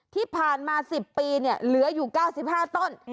ที่ผ่านมา๑๐ปีเหลืออยู่๙๕ต้น